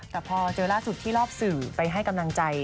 แต่พอเจอล่าสุดที่รอบสื่อไปให้กำลังใจ